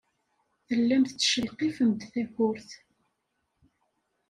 Tellam tettcelqifem-d takurt.